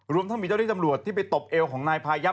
ทั้งมีเจ้าที่ตำรวจที่ไปตบเอวของนายพายับ